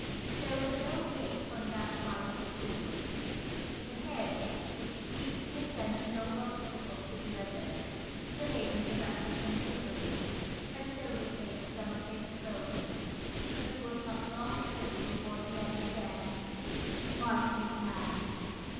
There was no gate on that side of the field; the hedge, which seemed to present no obstacle to the other, delayed Mr. Batchel considerably, and still retains some of his clothing, but he was not long through before he had again marked his man.